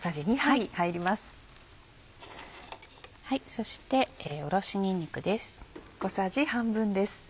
そしておろしにんにくです。